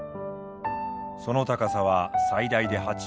その高さは最大で８ｍ。